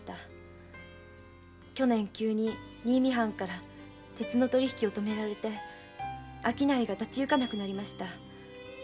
去年急に新見藩から鉄の取り引きを止められて商いが立ちゆかなくなりました。